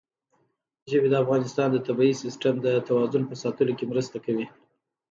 ژبې د افغانستان د طبعي سیسټم د توازن په ساتلو کې مرسته کوي.